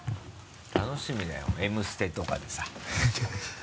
楽しみだよ「Ｍステ」とかでさ。